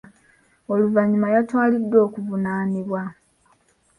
Oluvannyuma yatwaliddwa okuvunaanibwa.